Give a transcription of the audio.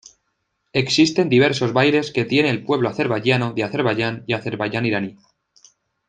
Existen diversos bailes que tiene el pueblo azerbaiyano de Azerbaiyán y Azerbaiyán iraní.